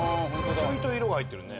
ちょいと色が入ってるね。